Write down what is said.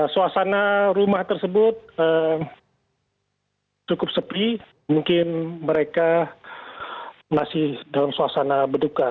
suasana rumah tersebut cukup sepi mungkin mereka masih dalam suasana berduka